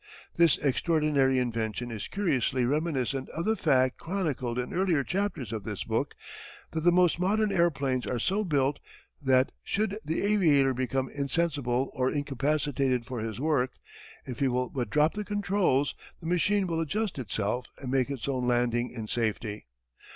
This extraordinary invention is curiously reminiscent of the fact chronicled in earlier chapters of this book that the most modern airplanes are so built that should the aviator become insensible or incapacitated for his work, if he will but drop the controls, the machine will adjust itself and make its own landing in safety.